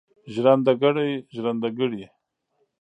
ژرندهګړی ژرنده کړي.